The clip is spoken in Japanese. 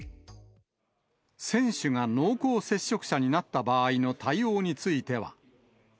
選手が濃厚接触者になった場合の対応については。